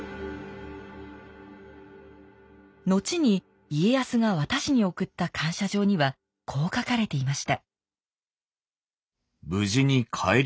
後に家康が和田氏に送った感謝状にはこう書かれていました